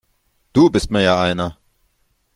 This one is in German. Du bist mir ja einer!